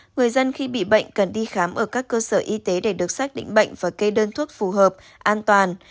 người dân khi bị bệnh cần đi khám ở các cơ sở y tế để được xác định bệnh và kê đơn thuốc phù hợp an toàn